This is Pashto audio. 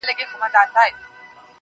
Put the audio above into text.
حالاتو دومره محبت کي راگير کړی يمه_